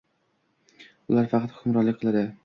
Ular faqat hukmronlik qiladi.